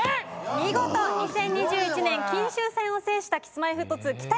見事２０２１年金秋戦を制したＫｉｓ−Ｍｙ−Ｆｔ２・北山さん